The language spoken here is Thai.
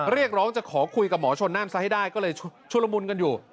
เรียกร้องจะขอคุยกับหมอชนนั่นซะให้ได้ก็เลยชุลมุนกันอยู่